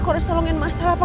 kores tolongin masalah apa